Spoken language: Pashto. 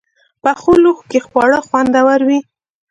پخو لوښو کې خواړه خوندور وي